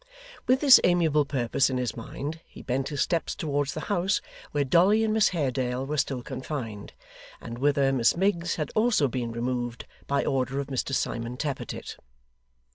With this amiable purpose in his mind, he bent his steps towards the house where Dolly and Miss Haredale were still confined, and whither Miss Miggs had also been removed by order of Mr Simon Tappertit.